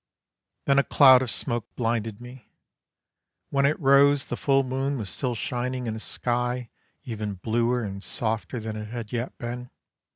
Then a cloud of smoke blinded me. When it rose the full moon was still shining in a sky even bluer and softer than it had yet been.